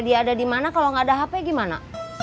dia ada di mana kalau nggak ada hp gimana